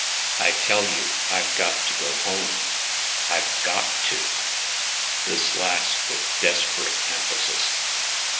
I tell you I've got to go home. I've got to!" This last with desperate emphasis.